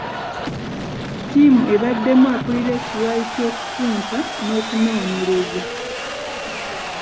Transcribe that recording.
Ttiimu ebeddamu akulira ekiwayi ky’okupunta n’okunoonyereza.